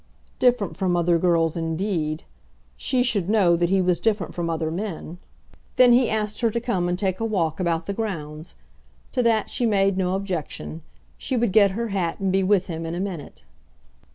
Different from other girls indeed! She should know that he was different from other men. Then he asked her to come and take a walk about the grounds. To that she made no objection. She would get her hat and be with him in a minute.